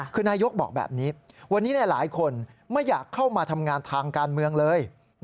คือนายกบอกแบบนี้วันนี้หลายคนไม่อยากเข้ามาทำงานทางการเมืองเลย